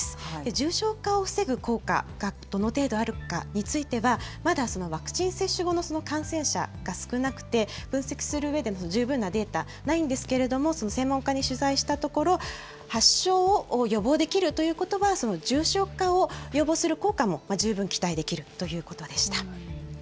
重症化を防ぐ効果がどの程度あるかについては、まだワクチン接種後の感染者が少なくて、分析するうえで、十分なデータ、ないんですけれども、専門家に取材したところ、発症を予防できるということは、重症化を予防する効果も十分期待できるということでした。